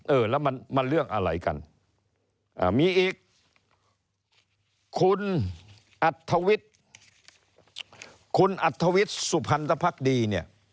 เออแล้วมันเรื่องอะไรกันมีอีกคุณอัธวิทย์คุณอัธวิทย์สุพรรณภักดีเนี่ย